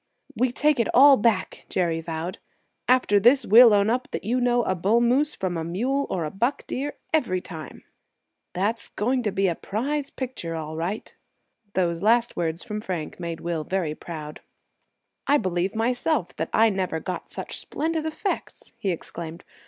"We take it all back," Jerry vowed. "After this, we'll own up that you know a bull moose from a mule or a buck deer every time." "That's going to be a prize picture, all right!" Those last words from Frank made Will very proud. "I believe myself that I never got such splendid effects!" he exclaimed.